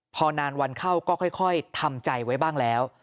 พอนานวันเข้าก็ค่อยทำใจไว้บ้างแล้ว